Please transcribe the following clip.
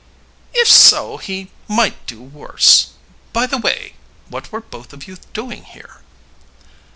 "If so, he might do worse. By the way, what were both of you doing here?"